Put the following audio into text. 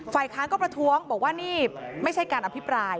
ค้านก็ประท้วงบอกว่านี่ไม่ใช่การอภิปราย